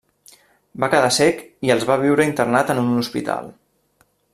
Va quedar cec i els va viure internat en un hospital.